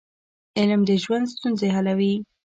علم د ژوند ستونزې حل کوي.